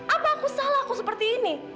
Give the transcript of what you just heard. apa aku salah aku seperti ini